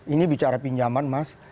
ini bicara pinjaman mas